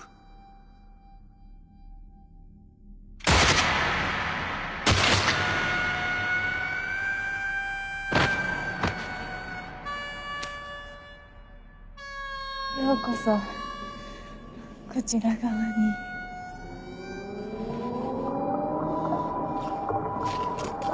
銃声ようこそこちら側にあぁ。